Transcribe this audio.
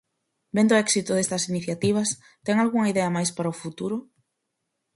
Vendo o éxito destas iniciativas, ten algunha idea máis para o futuro?